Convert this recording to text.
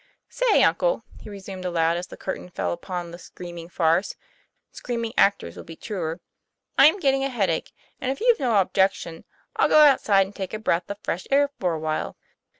"Say, uncle," he resumed aloud, as the curtain fell upon the ;< screaming farce " screaming actors would be truer "I'm getting a headache, and, if you've no objection, I'll go outside and take a breath of fresh air for a while."